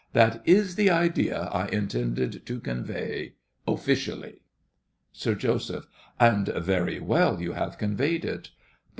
That is the idea I intended to convey, officially! SIR JOSEPH. And very well you have conveyed it. BUT.